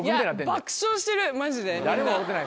爆笑してるマジでみんな。